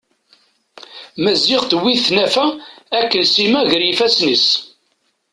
Maziɣ tewwi-t tnafa akken Sima gar yifasen-is.